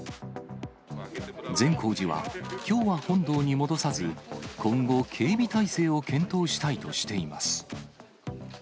善光寺は、きょうは本堂に戻さず、今後、警備体制を検討したいとしています。